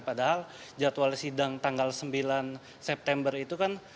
padahal jadwal sidang tanggal sembilan september itu kan